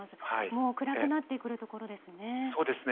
もう暗くなってくる時間ですね。